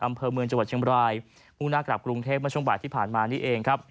ภาพเมืองจังหวัดเชียงบราณภูมินากลับกรุงเทพฯมาช่วงบ่ายที่ผ่านมานี้เอง